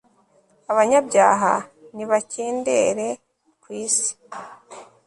abanyabyaha nibakendere ku isi